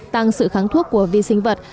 tăng sự kháng thuốc của vi sinh vật